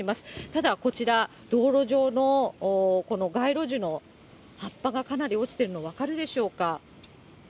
ただこちら、道路上のこの街路樹の葉っぱがかなり落ちてるの、分かるでしょうか。